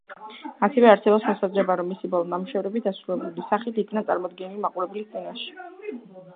ასევე არსებობს მოსაზრება, რომ მისი ბოლო ნამუშევრები დაუსრულებელი სახით იქნა წარდგენილი მაყურებლის წინაშე.